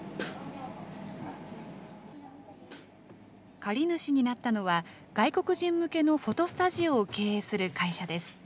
借り主になったのは外国人向けのフォトスタジオを経営する会社です。